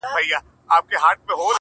سرکښي نه کوم نور خلاص زما له جنجاله یې.